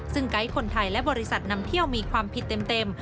ซึ่งไกด์คนไทยและบริษัทนำเที่ยวมีความผิดเต็ม